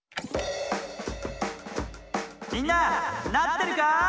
みんななってるかい？